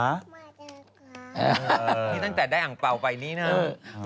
นี่ตั้งแต่ได้อังเปล่าไปนี่นะ